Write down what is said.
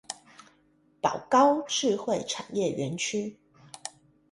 寶高智慧產業園區